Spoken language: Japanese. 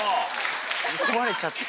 壊れちゃった。